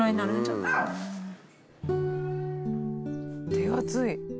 手厚い。